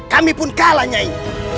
kami pun kalah nyai